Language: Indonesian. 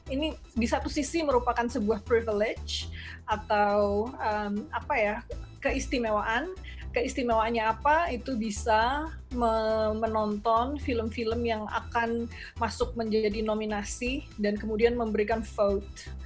ini di satu sisi merupakan sebuah privilege atau keistimewaan keistimewaannya apa itu bisa menonton film film yang akan masuk menjadi nominasi dan kemudian memberikan vote